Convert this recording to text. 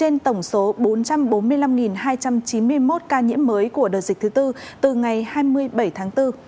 trên tổng số bốn trăm bốn mươi năm hai trăm chín mươi một ca nhiễm mới của đợt dịch thứ tư từ ngày hai mươi bảy tháng bốn